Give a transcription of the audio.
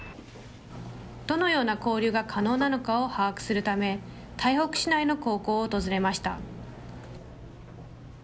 どのような交流が可能なのかを把握するため、台北市内の高校を訪れました。